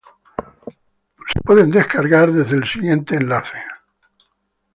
Pueden ser descargadas desde el siguiente enlace.